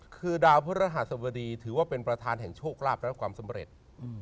คือดาวพระรหัสบดีถือว่าเป็นประธานแห่งโชคลาภและความสำเร็จ